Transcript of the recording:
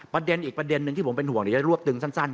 ประเด็นอีกประเด็นหนึ่งที่ผมเป็นห่วงเดี๋ยวจะรวบตึงสั้น